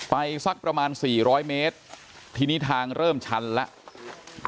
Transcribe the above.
สักประมาณ๔๐๐เมตรทีนี้ทางเริ่มชันแล้ว